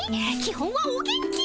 基本はお元気。